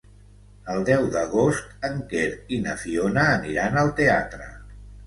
El deu d'agost en Quer i na Fiona aniran al teatre.